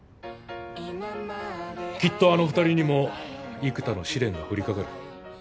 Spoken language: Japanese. きっとあの２人にも幾多の試練が降りかかる。